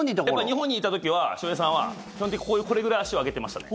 日本にいた時は翔平さんは基本的にこれくらい足を上げてましたね。